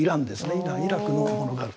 イランイラクのものがあると。